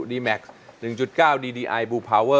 จะใช้หรือไม่ใช้ครับ